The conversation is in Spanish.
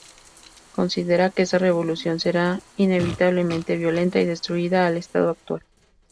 Considera que esa revolución será inevitablemente violenta y destruirá al Estado actual.